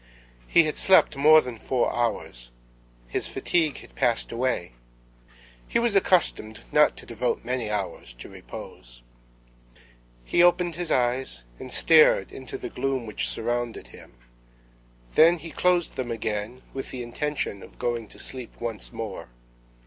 He had slept more than four hours. His fatigue had passed away. He was accustomed not to devote many hours to repose. He opened his eyes and stared into the gloom which surrounded him; then he closed them again, with the intention of going to sleep once more.